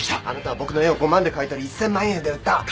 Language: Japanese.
あなたは僕の絵を５万で買い取り１，０００万円で売った。